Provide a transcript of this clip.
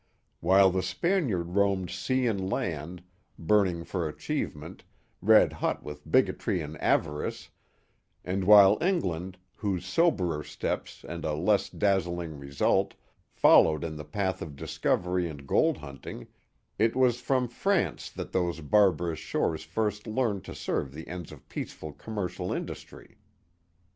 While the Spaniard roamed sea and land, burning for achievement, red hot with bigotry and avarice, and while Eng land, with soberer steps and a less dazzling result, followed in the path of discovery and gold hunting, it was from France that those barbarous shores first learned to serve the ends of peaceful commer cial industry.